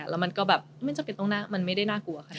แล้วมันก็แบบไม่จำเป็นต้องน่ากลัว